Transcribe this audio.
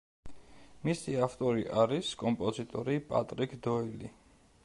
მისი ავტორი არის კომპოზიტორი პატრიკ დოილი.